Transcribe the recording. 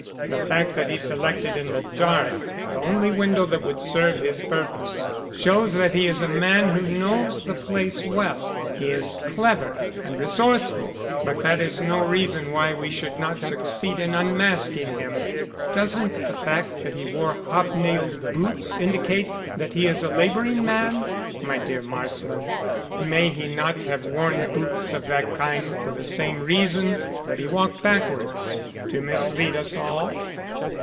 The fact that he selected in the dark the only window that would serve his purpose shows that he is a man who knows the place well. He is clever and resourceful, but that is no reason why we should not succeed in unmasking him." "Doesn't the fact that he wore hobnailed boots indicate that he is a labouring man?" "My dear Marsland, may he not have worn boots of that kind for the same reason that he walked backwards to mislead us all?"